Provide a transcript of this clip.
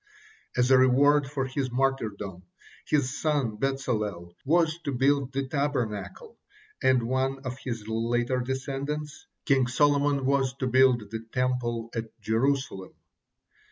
As a reward for his martyrdom, his son Bezalel was to build the Tabernacle, and one of his later descendants, King Solomon, was to build the Temple at Jerusalem.